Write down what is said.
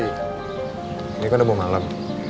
ini kan udah mau malem